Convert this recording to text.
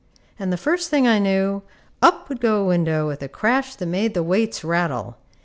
And the first thing I knew, up would go a window with a crash that made the weights rattle.